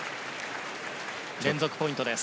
連続ポイントです。